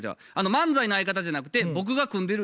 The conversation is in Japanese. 漫才の相方じゃなくて僕が組んでる